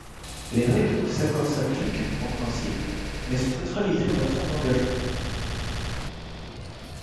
Les règles de ces accords s’appliquent, en principe, mais sont neutralisées en l’absence d’engagement.